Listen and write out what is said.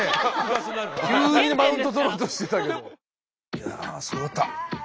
いやすごかった！